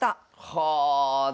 はあ！